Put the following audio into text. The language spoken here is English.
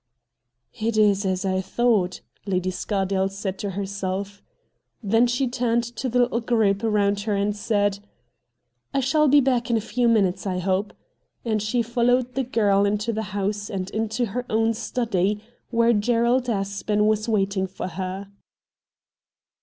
' It is as I thought,' Lady Scardale said to N 2 i8o RED DIAMONDS herself Then she turned to the little group around her and said : 'I shall be back in a few minutes, I hope,' and she followed the girl into the house and into her own study, where Gerald Aspen was waiting for her.